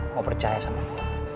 mau percaya sama gue